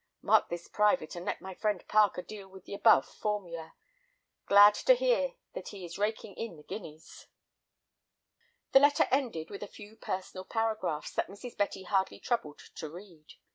Mark this private, and let my friend Parker deal with the above formula. Glad to hear that he is raking in the guineas—" The letter ended with a few personal paragraphs that Mrs. Betty hardly troubled to read.